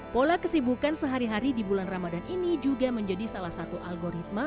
pola kesibukan sehari hari di bulan ramadan ini juga menjadi salah satu algoritma